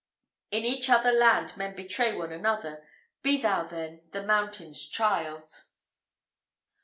In each other land men betray one another; Be thou then the mountain's child.